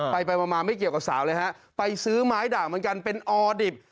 ไปไปมาไม่เกี่ยวกับสาวเลยฮะไปซื้อไม้ด่างเหมือนกันเป็นออดิบ